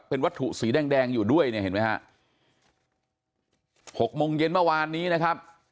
เป็นวัตถุสีแดงแดงอยู่ด้วยเนี่ยเห็นไหมฮะหกโมงเย็นเมื่อวานนี้นะครับ